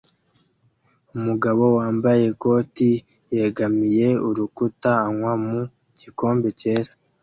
Umugabo wambaye ikote yegamiye urukuta anywa mu gikombe cyera